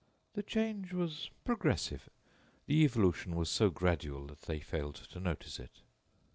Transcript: "The change was progressive. The evolution was so gradual that they failed to notice it."